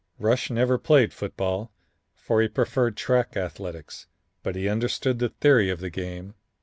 Rush never played football, for he preferred track athletics, but he understood the theory of the game.